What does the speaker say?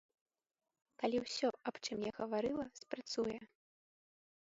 Калі ўсё, аб чым я гаварыла, спрацуе.